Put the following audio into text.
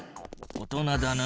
大人だな。